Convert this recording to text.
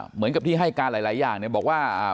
เหมือนกับที่ให้การหลายอย่างเนี่ยบอกว่า